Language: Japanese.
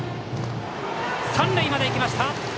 三塁まで行きました！